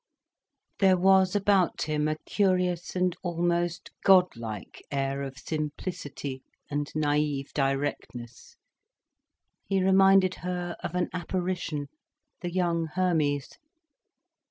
There was about him a curious, and almost godlike air of simplicity and native directness. He reminded her of an apparition, the young Hermes.